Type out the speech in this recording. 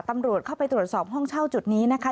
ตำรวจเข้าไปตรวจสอบห้องเช่าจุดนี้นะคะ